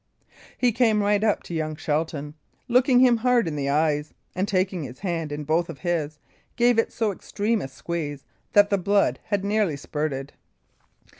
He came right up to young Shelton, looking him hard in the eyes, and taking his hand in both of his, gave it so extreme a squeeze that the blood had nearly spurted.